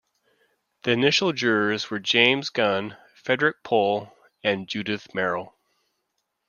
The initial jurors were James Gunn, Frederik Pohl, and Judith Merril.